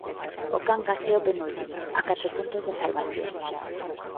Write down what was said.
O Cangas é o penúltimo, a catro puntos da salvación.